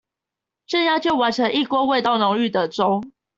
這樣就完成一鍋味道濃郁的粥